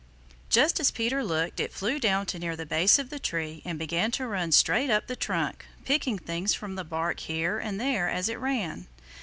Just as Peter looked it flew down to near the base of the tree and began to run straight up the trunk, picking things from the bark here and there as it ran.